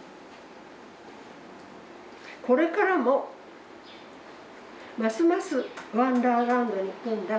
「これからもますますワンダーランドに行くんだ。